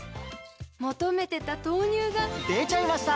求めてた豆乳がでちゃいました！